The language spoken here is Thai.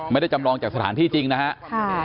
ไม่ได้จำลองจากสถานที่จริงนะฮะ